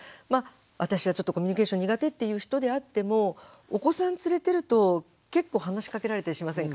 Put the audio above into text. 私はちょっとコミュニケーション苦手っていう人であってもお子さん連れてると結構話しかけられたりしませんか？